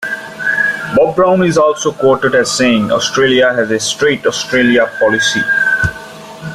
Bob Brown is also quoted as saying Australia has a "straight Australia policy".